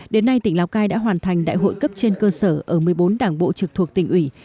đến nay tỉnh lào cai đã hoàn thành đại hội cấp trên cơ sở ở một mươi bốn đảng bộ trực thuộc tỉnh ủy